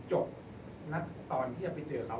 มิวยังมีเจ้าหน้าที่ตำรวจอีกหลายคนที่พร้อมจะให้ความยุติธรรมกับมิว